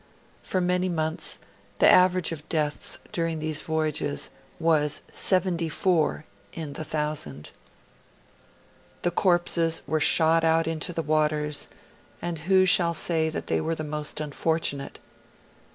For many months, the average of deaths during these voyages was seventy four in 1,000; the corpses were shot out into the waters; and who shall say that they were the most unfortunate?